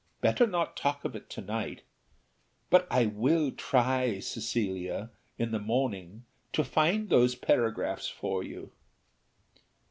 Better not talk of it to night; but I will try, Cecilia, in the morning, to find those paragraphs for you."